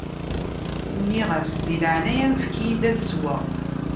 Nniɣ-as: Di leɛnaya-m, efk-iyi-d ad sweɣ.